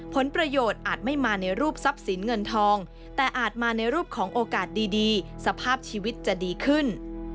ผลประโยชน์อาจไม่มาในรูปทรัพย์สินเงินทองแต่อาจมาในรูปของโอกาสดีสภาพชีวิตจะดีขึ้น